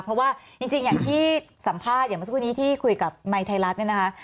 เพราะว่าจริงอย่างที่สัมภาษณ์อย่างเมื่อสักครู่นี้ที่คุยกับไมค์ไทยรัฐเนี่ยนะคะ